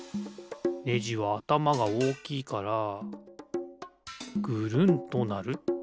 ネジはあたまがおおきいからぐるんとなる。